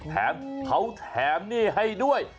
แถมเขาแถมหนี้ให้ด้วย